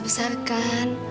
aduh tante kamu mau ke mana